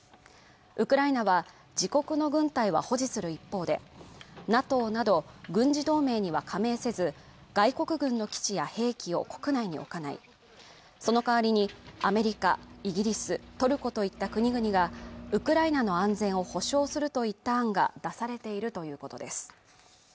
ウクライナは自国の軍隊は保持する一方でＮＡＴＯなど軍事同盟には加盟せず外国軍の基地や兵器を国内に置かないその代わりにアメリカイギリス、トルコといった国々がウクライナの安全を保障するといった案が出されているということです